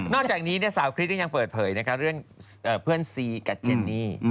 นอกจากนนี้เนี่ยสาวคริสต์ก็ยังเปิดเผยนะคะเรื่องเพื่อนซีกับเจนนี่